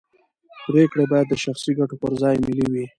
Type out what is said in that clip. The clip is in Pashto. پرېکړې باید د شخصي ګټو پر ځای ملي وي